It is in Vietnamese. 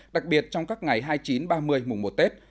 đặc biệt trong các ngày hai mươi chín ba mươi mùa tết